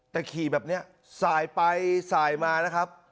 แต่ขี่แบบนี้สายไปสายมานะครับ